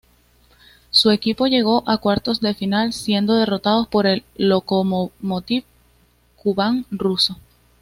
Su equipo llegó a cuartos de final, siendo derrotados por el Lokomotiv Kuban ruso.